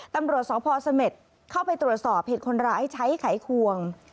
ตำรวจสพเสม็ดเข้าไปตรวจสอบเหตุคนร้ายใช้ไขควง